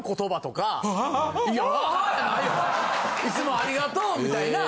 いつもありがとうみたいな。